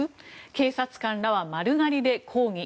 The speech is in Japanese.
警察官らは丸刈りで抗議。